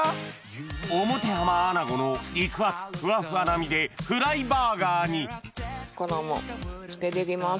表浜アナゴの肉厚フワフワな身でフライバーガーに衣付けていきます。